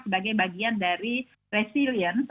sebagai bagian dari resilience